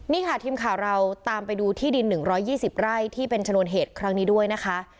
นี่ค่ะทีมข่าวเราตามไปดูที่ดิน๑๒๐ไร่ที่เป็นชนวนเหตุครั้งนี้ด้วยนะคะ